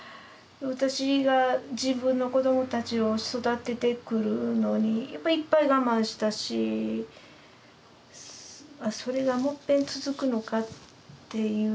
私が自分の子どもたちを育ててくるのにいっぱい我慢したしそれがもっぺん続くのかっていう